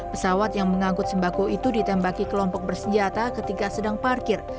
pesawat yang mengangkut sembako itu ditembaki kelompok bersenjata ketika sedang parkir